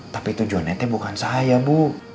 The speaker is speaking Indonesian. tapi tujuannya bukan saya bu